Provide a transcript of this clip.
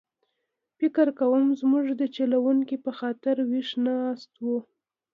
فکر کووم زموږ د چلوونکي په خاطر ویښ ناست و.